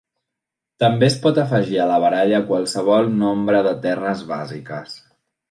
També es pot afegir a la baralla qualsevol nombre de terres bàsiques.